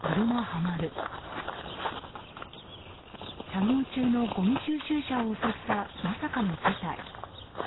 作業中のごみ収集車を襲ったまさかの事態。